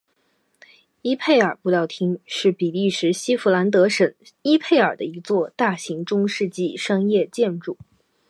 伊佩尔布料厅是比利时西佛兰德省伊佩尔的一座大型中世纪商业建筑。